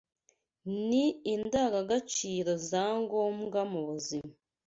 ni indangagaciro za ngombwa mu buzima